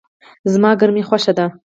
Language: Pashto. زما ګرمی خوښه ده